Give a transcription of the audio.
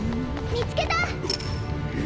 見つけた！っ！